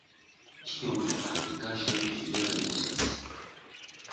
Kiom da aplikaĵoj vi vere uzas?